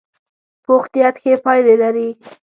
پوخ نیت ښې پایلې لري